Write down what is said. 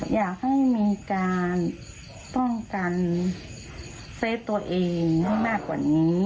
อยากให้มีการป้องกันเฟสตัวเองให้มากกว่านี้